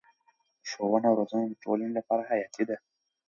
ښوونه او روزنه د ټولنې لپاره حیاتي ده.